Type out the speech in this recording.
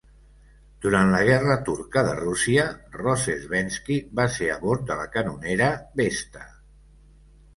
Durant la guerra turca de Rússia, Rozhestvenski va ser a bord de la canonera "Vesta".